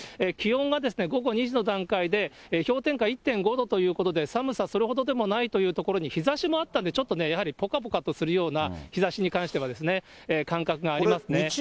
気温が午後２時の段階で、氷点下１．５度ということで、寒さ、それほどでもないというところで、日ざしもあったんで、ちょっとね、やはりぽかぽかとするような日ざしに関しては、感覚がありますね。